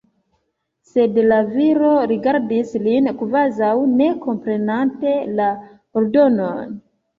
Sed la viro rigardis lin, kvazaŭ ne komprenante la ordonon.